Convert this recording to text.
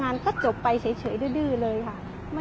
สวัสดีครับทุกคน